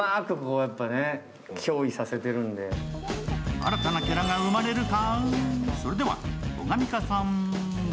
新たなキャラが生まれるか。